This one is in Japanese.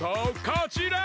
こちら！